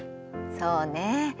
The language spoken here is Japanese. そうね。